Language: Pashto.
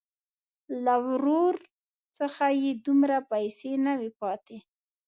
له ورور څخه یې دومره پیسې نه وې پاتې.